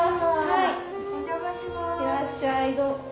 いらっしゃい。